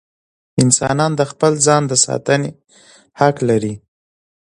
انسانان د خپل ځان د ساتنې حق لري.